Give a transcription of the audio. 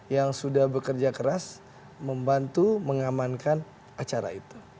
yang sudah bekerja keras membantu mengamankan acara itu